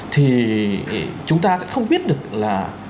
thì chúng ta sẽ không biết được là